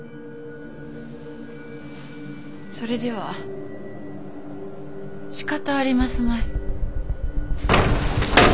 それではしかたありますまい。